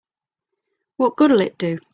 What good'll it do?